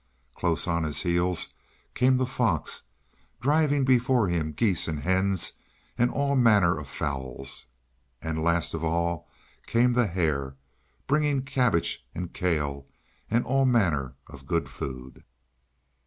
Close on his heels came the fox, driving before him geese and hens, and all manner of fowls; and last of all came the hare, bringing cabbage and kale, and all manner of good food.